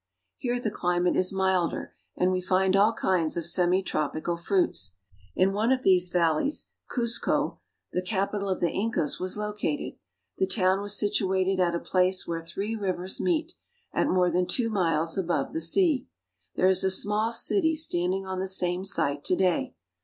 Here the cHmate is milder, and we find all kinds of semi tropical fruits. In one of these valleys Cuzco (koos'k5), the capital of the In cas, was located. The town was situated at a place where three rivers meet, at more than two miles above the sea. There is a small city standing on the same site to day.